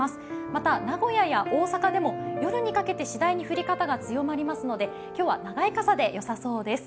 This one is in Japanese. また、名古屋や大阪でも夜にかけて次第に降り方が強まりますので、今日は長い傘で良さそうです。